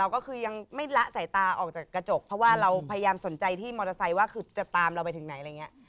ก็คือยังไม่ละสายตาออกจากกระจกเพราะว่าเราพยายามสนใจที่มอเตอร์ไซค์ว่าคือจะตามเราไปถึงไหนอะไรอย่างนี้